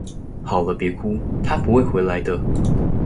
好了別哭，他不會回來的